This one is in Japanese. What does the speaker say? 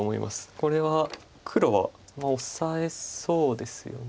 これは黒はオサえそうですよね。